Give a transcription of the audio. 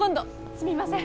すみません。